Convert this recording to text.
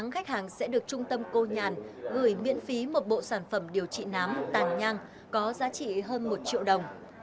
tám khách hàng sẽ được trung tâm cô nhàn gửi miễn phí một bộ sản phẩm điều trị nám tàn nhang có giá trị hơn một triệu đồng